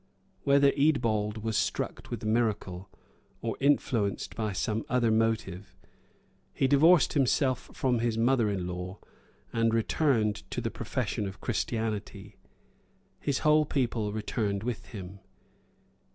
[] Whether Eadbald was struck with the miracle, or influenced by some other motive, he divorced himself from his mother in law, and returned to the profession of Christianity:[] his whole people returned with him.